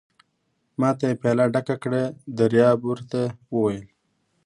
ما ته یې پياله ډکه کړه، دریاب ور ته وویل.